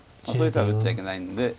そういう手は打っちゃいけないんで。